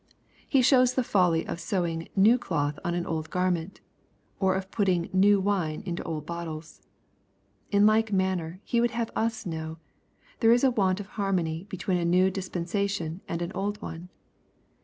He shows the folly of sewing " new cloth on an old garment,^' or^of putting " new wine into old bottles." In like manner. He would have us know^ there is a want of harmony between a new dispensation and an old one.